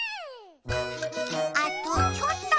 あとちょっと。